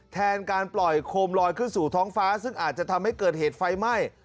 แทนการปล่อยโคมลอยขึ้นสู่ท้องฟ้าซึ่งอาจจะทำให้เกิดเหตุไฟไหม้